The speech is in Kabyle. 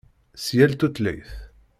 S yal tutlayt.